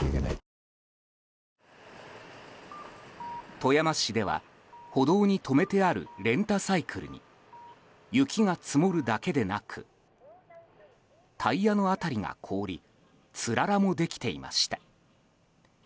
富山市では、歩道に止めてあるレンタサイクルに雪が積もるだけでなくタイヤの辺りが凍りつららもできていました。